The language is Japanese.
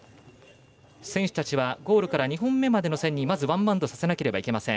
選手たちはゴールから２本目までの線にまずワンバウンドさせなければいけません。